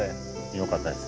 よかったです。